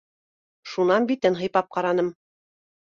Шунан битен һыйпап ҡараным.